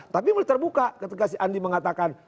tapi mulai terbuka ketika si andi mengatakan